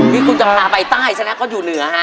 นี่คุณจะพาไปใต้ใช่ไหมเขาอยู่เหนือฮะ